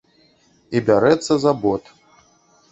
І бярэцца за бот.